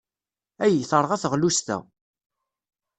Ay, terɣa teɣlust-a!